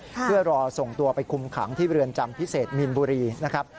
เพื่อรอส่งตัวไปคุมขังที่เรือนจำพิเศษมีนบุรีนะครับ